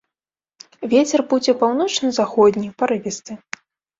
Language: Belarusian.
Вецер будзе паўночна-заходні, парывісты.